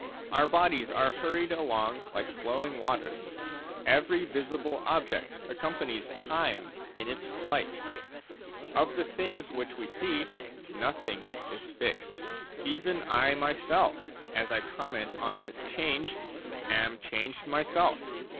Our bodies are hurried along like flowing waters ; every visible object accompanies time in its flight ; of the things which we see, nothing is fixed. Even I myself, as I comment on this change, am changed myself.